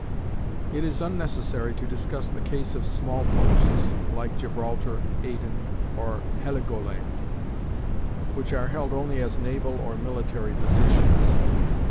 It is unnecessary to discuss the case of small posts, like Gibraltar, Aden, or Heligoland, which are held only as naval or military positions.